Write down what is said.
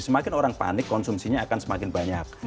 semakin orang panik konsumsinya akan semakin banyak